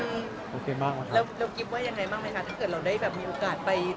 แล้วกิฟต์ว่ายังไงบ้างถ้าเราได้แบบมีโอกาสไป